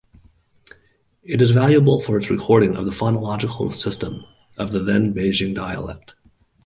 It is valuable for its recording of the phonological system of the then-Beijing dialect.